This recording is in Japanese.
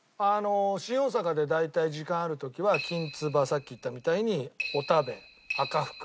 新大阪で大体時間ある時はきんつばさっき言ったみたいにおたべ赤福。